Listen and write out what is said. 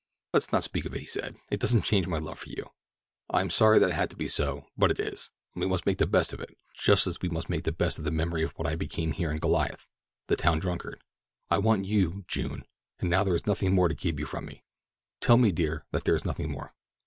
"Let's not speak of it," he said. "It doesn't change my love for you. I am sorry that it had to be so, but it is, and we must make the best of it, just as we must make the best of the memory of what I became here in Goliath—the town drunkard. I want you, June, and now there is nothing more to keep you from me. Tell me, dear, that there is nothing more."